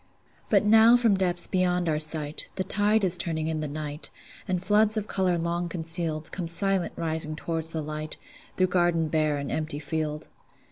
But now from depths beyond our sight, The tide is turning in the night, And floods of color long concealed Come silent rising toward the light, Through garden bare and empty field.